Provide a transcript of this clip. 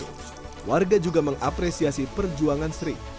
tetapi juga warga juga mengapresiasi perjuangan sri